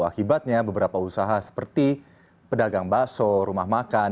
akibatnya beberapa usaha seperti pedagang bakso rumah makan